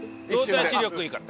動体視力いいから。